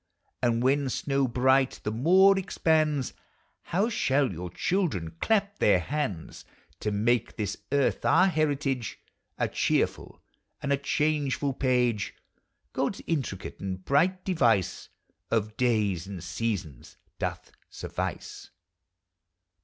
And when snow bright the moor expands. How shall your children clap their hands! To make this earth our heritage, A cheerful and a changeful page, Gods intricate and bright device Of days and seasons doth suffice.